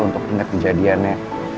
untuk ngeliat kejadiannya